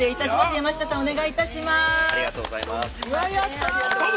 山下さん、お願いいたします。